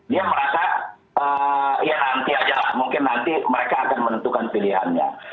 dia merasa ya nanti aja lah mungkin nanti mereka akan menentukan pilihannya